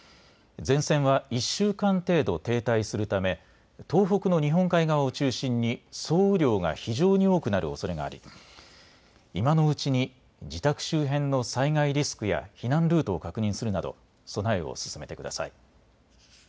前線は１週間程度、停滞するため東北の日本海側を中心に総雨量が非常に多くなるおそれがあり今のうちに自宅周辺の災害リスクや避難ルートを確認するなど備えを進めてください。